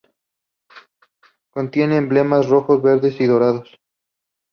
Contiene emblemas rojos, verdes y dorados.